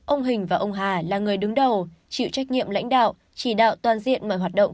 ông hình và ông hà là người đứng đầu chịu trách nhiệm lãnh đạo chỉ đạo toàn diện mọi hoạt động